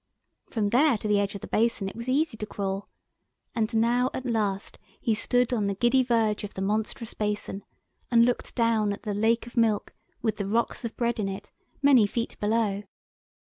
From there to the edge of the basin it was easy to crawl, and now at last he stood on the giddy verge of the monstrous basin, and looked down at the lake of milk with the rocks of bread in it, many feet below.